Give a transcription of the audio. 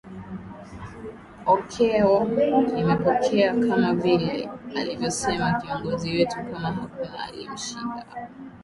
okeo nimepokea kama vile alivyosema kiongozi wetu kama hakuna aliyemshinda